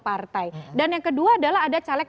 partai dan yang kedua adalah ada caleg